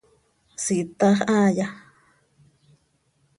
¿Siitax haaya?